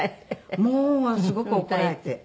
もうすごく怒られて。